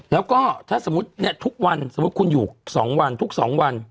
แล้วก็ถ้าสมมุติทุกวันสมมุติคุณอยู่๒วันทุก๒วัน